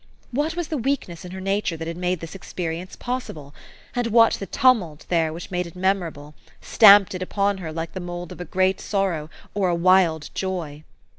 What was the weakness in her nature that had made this experience possible? and what the tumult there which made it memorable, stamped it upon her like the mould of a great sorrow, or a wild joy?